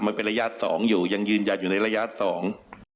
มันเป็นระยะสองอยู่ยังยืนยันอยู่ในระยะสอง